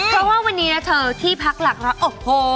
เพราะว่าวันนี้นะเธอที่พักหลักร้อยโอ้โห